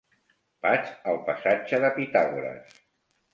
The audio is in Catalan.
Vaig al passatge de Pitàgores.